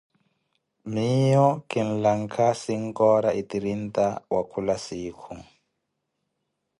Miyo kinlakha sinkoora e trinta wakhula sikhu.